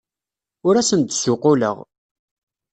Ur asen-d-ssuqquleɣ.